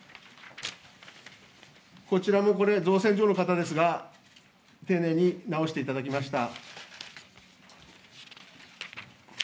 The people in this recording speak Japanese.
こちらもこれ、造船所の方ですが、丁寧に直していただきました。